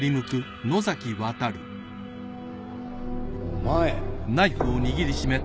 お前。